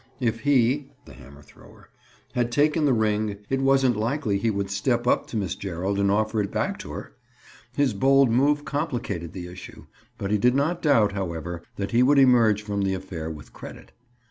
If he (the hammer thrower) had taken the ring it wasn't likely he would step up to Miss Gerald and offer it back to her. His bold move complicated the issue; but he did not doubt, however, that he would emerge from the affair with credit.